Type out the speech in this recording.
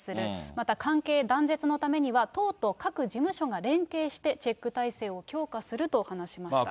また関係断絶のためには、党と各事務所が連携してチェック体制を強化すると話しました。